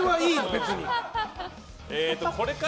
別に。